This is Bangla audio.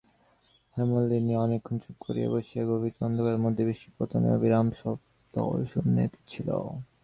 হেমনলিনীও অনেকক্ষণ চুপ করিয়া বসিয়া গভীর অন্ধকারের মধ্যে বৃষ্টিপতনের অবিরাম শব্দ শুনিতেছিল।